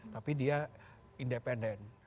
tapi dia independen